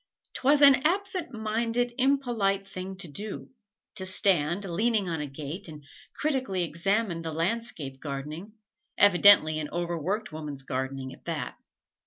'T was an absent minded, impolite thing to do to stand leaning on a gate and critically examine the landscape gardening, evidently an overworked woman's gardening, at that.